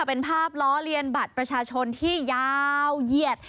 เป็นภาพล้อเลียนบัตรประชาชนที่ยาวเหยียด